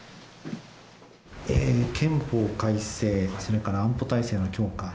憲法改正それから安保体制の強化。